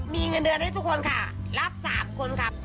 มีเงินเดือนให้ทุกคนค่ะรับ๓คนครับ